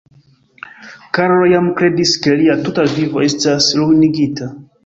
Karlo jam kredis, ke lia tuta vivo estas ruinigita.